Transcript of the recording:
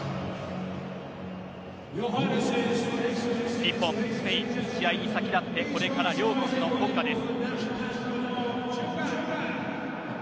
日本、スペイン試合に先立ってこれから両国の国歌です。